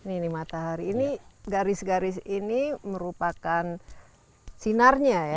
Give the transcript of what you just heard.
ini matahari ini garis garis ini merupakan sinarnya ya